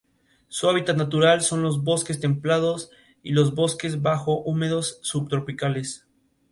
La pistola, el Claw mágico, y la dinamita, tienen municiones limitadas.